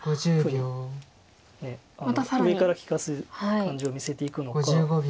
上から利かす感じを見せていくのか。